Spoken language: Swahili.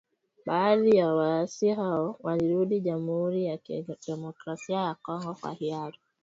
Baadhi ya waasi hao walirudi Jamuhuri ya Kidemokrasia ya Kongo kwa hiari